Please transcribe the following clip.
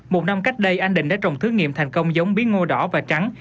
một năm cách đây anh định đã trồng thử nghiệm thành công giống bí ngô đỏ và trắng